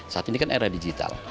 saat ini kan era digital